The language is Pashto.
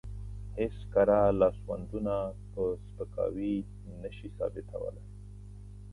هېڅ کره لاسوندونه په سپکاوي نشي ثابتولی.